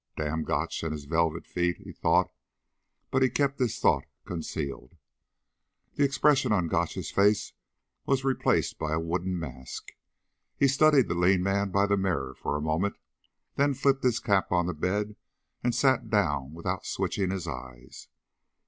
Damn Gotch and his velvet feet, he thought. But he kept the thought concealed. The expression on Gotch's face was replaced by a wooden mask. He studied the lean man by the mirror for a moment, then flipped his cap on the bed and sat down without switching his eyes.